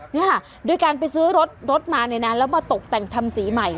นี่ค่ะโดยการไปซื้อรถรถมาเนี่ยนะแล้วมาตกแต่งทำสีใหม่